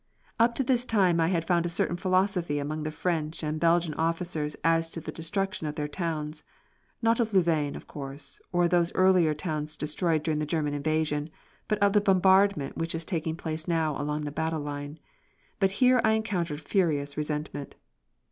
Up to this time I had found a certain philosophy among the French and Belgian officers as to the destruction of their towns. Not of Louvain, of course, or those earlier towns destroyed during the German invasion, but of the bombardment which is taking place now along the battle line. But here I encountered furious resentment.